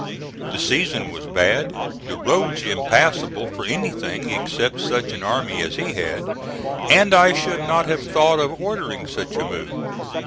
The season was bad, the roads impassable for anything except such an army as he had, and I should not have thought of ordering such a move.